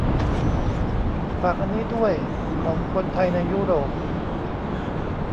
ฝากอันนี้ด้วย ของคนไทยในยุโรป